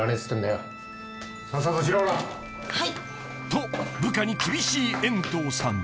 ［と部下に厳しい遠藤さん］